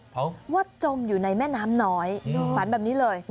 เพราะว่าจมอยู่ในแม่น้ำน้อยฝันแบบนี้เลย